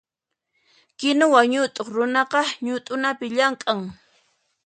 Kinuwa ñutuq runaqa ñutunapi llamk'an.